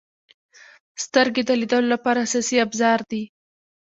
• سترګې د لیدلو لپاره اساسي ابزار دي.